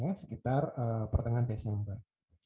ya sekitar pertengahan desember